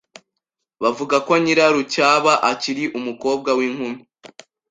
bavuga ko Nyirarucyaba akiri umukobwa w’inkumi